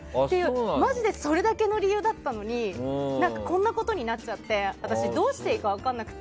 マジでそれだけの理由だったのにこんなことになっちゃって私、どうしていいか分かんなくて。